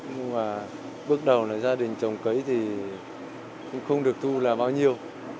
nhưng mà bước đầu là gia đình trồng cấy thì cũng không được thu là bao nhiêu